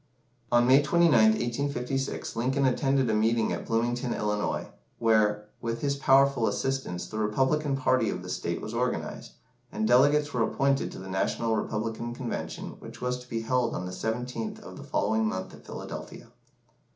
On May 29th, 1856, Lincoln attended a meeting at Bloomington, Illinois, where, with his powerful assistance, the Republican party of the state was organised, and delegates were appointed to the National Republican Convention which was to be held on the 17th of the following month at Philadelphia.